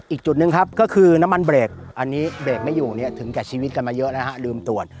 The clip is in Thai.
อีกจุดหนึ่งครับก็คือน้ำมันเบรกอันนี้เบรกไม่อยู่เนี่ยถึงแก่ชีวิตกันมาเยอะนะฮะลืมตรวจ